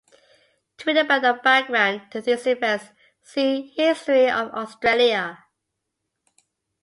To read about the background to these events, see History of Australia.